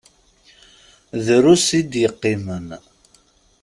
Drus i d-yeqqimen.